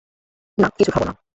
না, কিছু খাব না।